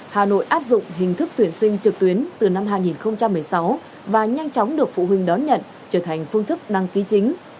hà nội áp dụng hình thức tuyển sinh trực tuyến từ năm hai nghìn một mươi sáu và nhanh chóng được phụ huynh đón nhận trở thành phương thức đăng ký chính